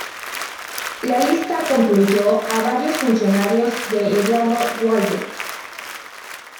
La lista incluyó a varios funcionarios de Eduardo Duhalde.